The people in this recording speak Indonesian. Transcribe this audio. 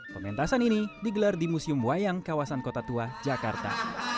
pementasan ini digelar di museum wayang kawasan kota tua jakarta